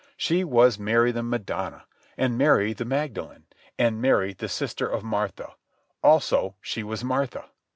She was Mary the Madonna, and Mary the Magdalene, and Mary the sister of Martha, also she was Martha.